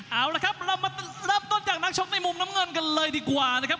เอาละครับเรามาเริ่มต้นจากนักชกในมุมน้ำเงินกันเลยดีกว่านะครับ